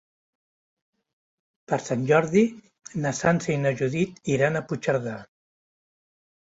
Per Sant Jordi na Sança i na Judit iran a Puigcerdà.